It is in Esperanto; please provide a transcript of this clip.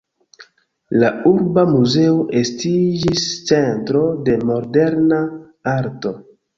La Urba muzeo estiĝis centro de moderna arto.